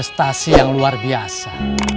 prestasi yang luar biasa